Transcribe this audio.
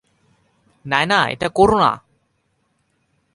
নায়না, এটা করো না।